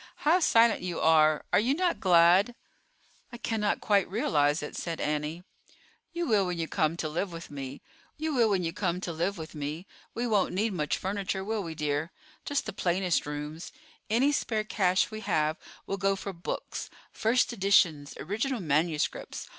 How silent you are; are you not glad?" "I cannot quite realize it," said Annie. "You will when you come to live with me. We won't need much furniture, will we, dear? Just the plainest rooms. Any spare cash we have will go for books—first editions, original manuscripts.